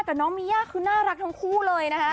แต่น้องมีย่าคือน่ารักทั้งคู่เลยนะคะ